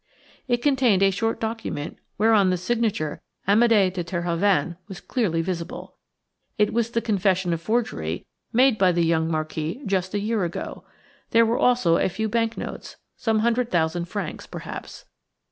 It contained a short document whereon the signature "Amédé de Terhoven" was clearly visible. It was the confession of forgery made by the young Marquis just a year ago; there were also a few banknotes: some hundred thousand francs, perhaps.